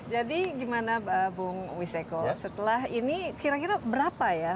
jadi gimana bung wiseko setelah ini kira kira berapa ya